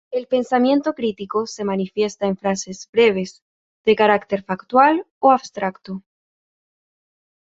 El pensamiento crítico se manifiesta en frases breves, de carácter factual o abstracto.